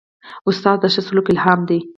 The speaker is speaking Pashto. استاد د ښه سلوک الهام دی.